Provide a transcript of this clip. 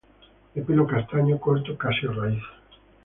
De pelo castaño corto casi a raz.